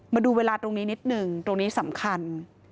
มาดูเวลาตรงนี้นิดหนึ่งตรงนี้สำคัญ